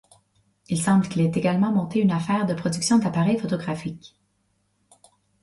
Il semble qu'il ait également monté une affaire de production d'appareils photographiques.